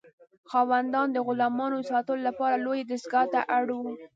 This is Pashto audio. خاوندان د غلامانو د ساتلو لپاره لویې دستگاه ته اړ وو.